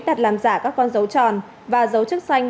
đặt làm giả các con dấu tròn và dấu chức xanh